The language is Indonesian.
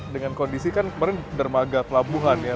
dengan kondisi kan kemarin dermagat labuhan ya